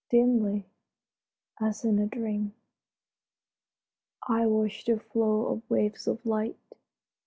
Dimly, as in a dream, I watch the fl:OW Of waves of light.